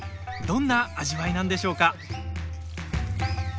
どんな味わいなんでしょうか。